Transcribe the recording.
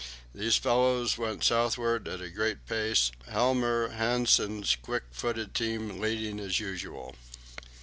Those fellows went southward at a great pace, Helmer Hanssen's quick footed team leading as usual.